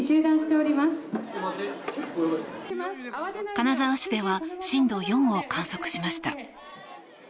金沢市では震度４を観測しました。